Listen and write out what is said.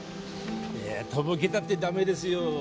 とぼけたってダメですよ。